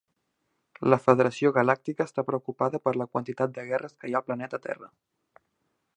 La Federació Galàctica està preocupada per la quantitat de guerres que hi ha al planeta Terra.